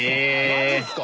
マジっすか？